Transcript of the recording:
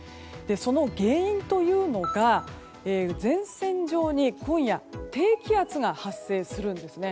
その原因というのが、前線上に今夜、低気圧が発生するんです。